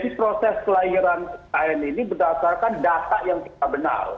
jadi proses kelahiran ikn ini berdasarkan data yang tidak benar